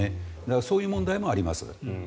そういう問題もあります。